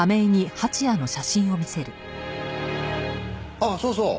ああそうそう。